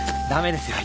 ですよね。